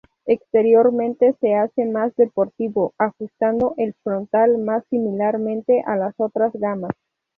Exteriormente se hace más deportivo, ajustando el frontal más similarmente a las otras gamas.